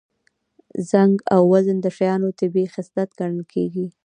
رنګ او وزن د شیانو طبیعي خصلت ګڼل کېږي